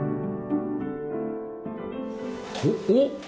おっ！